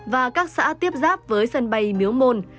và các xã tiếp giáp với sân bay miếu môn